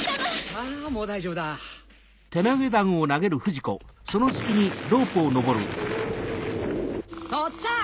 さあもう大丈夫だ！とっつぁん！